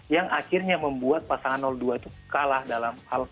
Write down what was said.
yang akhirnya membuat pasangan dua itu kalah dalam hal ini